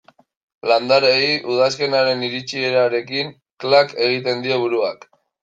Landareei udazkenaren iritsierarekin klak egiten die buruak.